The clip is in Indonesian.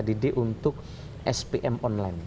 didik untuk spm online